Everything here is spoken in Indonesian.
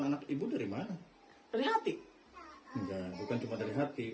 udah di rumah sakit juga hasilnya negatif